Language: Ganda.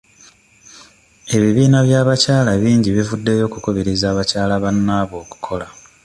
Ebibiina by'abakyala bingi bivuddeyo okukubiriza bakyala bannabwe okukola.